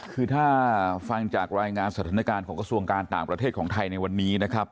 คือถ้าฟังจากรายงานสถานการณ์ของกระทรวงการต่างประเทศของไทยในวันนี้นะครับ